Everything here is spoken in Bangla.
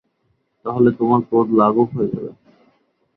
তাহলে তোমার ক্রোধ লাঘব হয়ে যাবে।